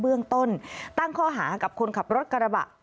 เบื้องต้นตั้งข้อหากับคนขับรถกระบะ